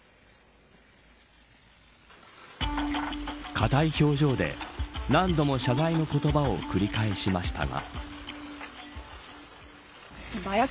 硬い表情で何度も謝罪の言葉を繰り返しましたが。